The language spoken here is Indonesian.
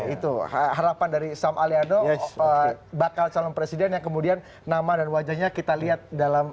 itu harapan dari sam aliando bakal calon presiden yang kemudian nama dan wajahnya kita lihat dalam